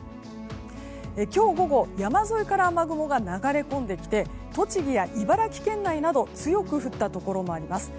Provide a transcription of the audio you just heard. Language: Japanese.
今日午後、山沿いから雨雲が流れ込んできて栃木や茨城県内など強く降ったところもあります。